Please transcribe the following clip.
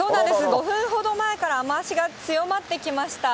５分ほど前から雨足が強まってきました。